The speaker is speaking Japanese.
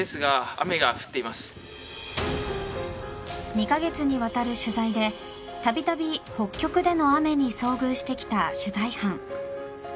２か月にわたる取材で度々、北極での雨に遭遇してきた取材班。